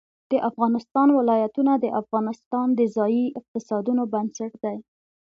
د افغانستان ولايتونه د افغانستان د ځایي اقتصادونو بنسټ دی.